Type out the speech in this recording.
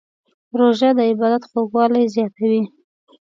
روژه د عبادت خوږوالی زیاتوي.